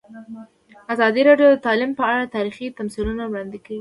ازادي راډیو د تعلیم په اړه تاریخي تمثیلونه وړاندې کړي.